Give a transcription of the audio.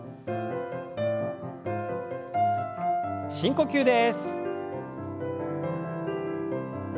深呼吸です。